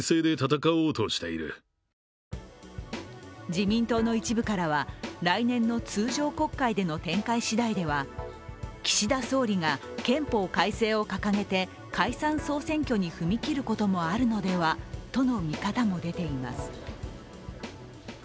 自民党の一部からは、来年の通常国会での展開しだいでは岸田総理が憲法改正を掲げて解散総選挙に踏み切ることもあるのではとの見方も出ています。